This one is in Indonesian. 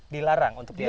dilarang untuk ditebang